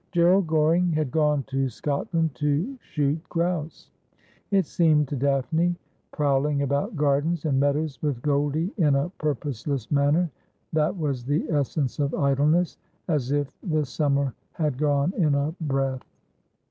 Gerald Goring had gone to Scotland to shoot grouse. It M 178 Asphodel . seemed to Daphne, prowling about gardens and meadows with Goldie in a purposeless manner that was the essence of idleness, as if the summer had gone in a breath.